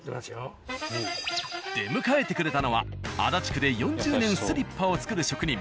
出迎えてくれたのは足立区で４０年スリッパを作る職人。